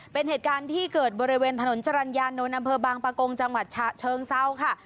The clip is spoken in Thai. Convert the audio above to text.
เป็นเหตุการณ์ที่เกิดบริเวณถนนจรรยานนท์อำเภอบางปะโกงจังหวัดฉะเชิงเศร้าค่ะ